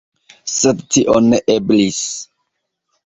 Sed tio ne eblis.